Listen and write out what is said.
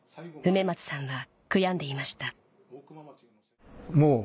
梅松さんは悔やんでいました